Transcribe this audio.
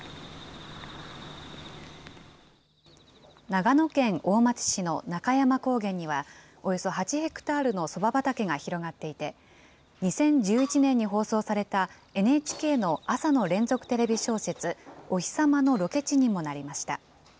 長野県大町市の中山高原には、およそ８ヘクタールのそば畑が広がっていて、２０１１年に放送されたＮＨＫの朝の連続テレビ小説、おひさまのロケ地にもなりました。